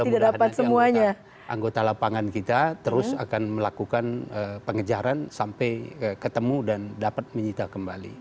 dan mudah mudahan anggota lapangan kita terus akan melakukan pengejaran sampai ketemu dan dapat menyita kembali